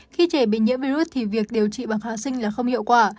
khi trẻ bị nhiễm virus thì việc điều trị bằng hạ sinh là không hiệu quả